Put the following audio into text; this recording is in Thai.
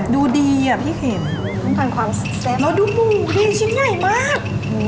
ดูดีอะพี่เข็มแล้วดูหมูดูชิ้งใหญ่มาก